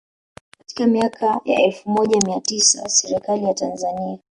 Katika miaka ya elfu moja na mia tisa Serikali ya Tanzania